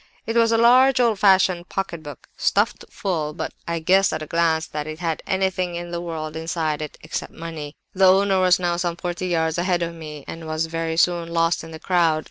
"It was a large old fashioned pocket book, stuffed full; but I guessed, at a glance, that it had anything in the world inside it, except money. "The owner was now some forty yards ahead of me, and was very soon lost in the crowd.